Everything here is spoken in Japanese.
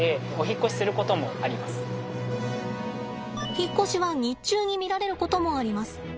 引っ越しは日中に見られることもあります。